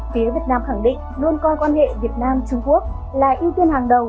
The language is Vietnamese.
phía việt nam khẳng định luôn coi quan hệ việt nam trung quốc là ưu tiên hàng đầu